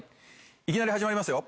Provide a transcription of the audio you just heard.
いきなり始まりますよ。